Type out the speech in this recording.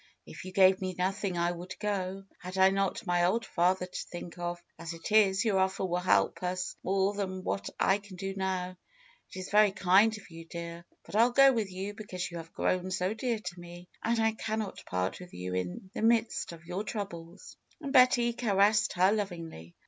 "If you gave me nothing I would go, had I not my old father to think of. As it is, your offer will help us more than what I can do now. It is very kind of you, dear. But 1^11 go with you because you have grown so dear to me, and I cannot part with you in the midst of your troubles." And Betty caressed her lov ingly.